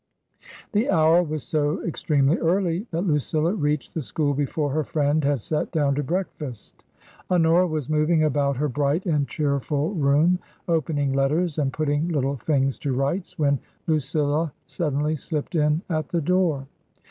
The hour was so extremely early that Lucilla reached the school before her friend had sat down to breakfast. Honora was moving about her bright and cheerful room, opening letters and putting little things to rights, when Lucilla suddenly slipped in at the door.